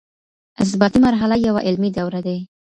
اثباتي مرحله يوه علمي دوره ده.